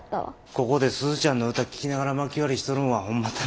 ここで鈴ちゃんの歌聴きながらまき割りしとるんはホンマ楽しいんだす。